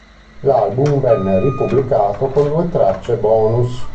L'album venne ripubblicato con due tracce bonus.